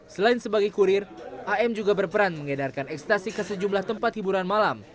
selain sebagai kurir am juga berperan mengedarkan ekstasi ke sejumlah tempat hiburan malam